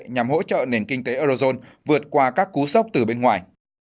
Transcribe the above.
nhằm hỗ trợ nền kinh tế eurozone vượt qua các cú sốc từ bên ngoài